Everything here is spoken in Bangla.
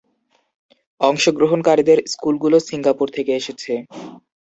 অংশগ্রহণকারী স্কুলগুলো সিঙ্গাপুর থেকে এসেছে।